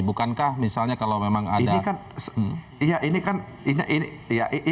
bukankah misalnya kalau memang ada kan